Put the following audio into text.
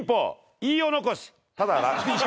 飯尾残し？